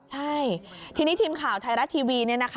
ใช่ทีนี้ทีมข่าวไทยรัฐทีวี